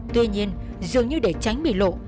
tuy nhiên dường như để tránh bị lộ